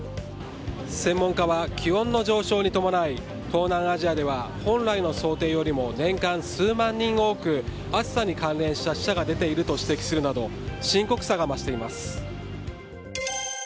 専門家は気温の上昇に伴い東南アジアでは本来の想定よりも年間数万人多く暑さに関連した死者が出ていると指摘するなど深刻さが増しています。